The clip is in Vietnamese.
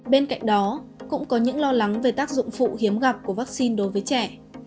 bên cạnh đó cũng có những lo lắng về tác dụng phụ hiếm gặp của vaccine đối với trẻ